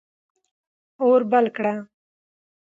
اور بل کړه.